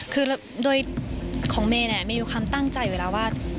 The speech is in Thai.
คือของเมย์มีความตั้งใจไว้แล้วว่า